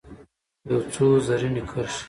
یو څو رزیني کرښې